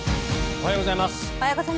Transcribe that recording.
おはようございます。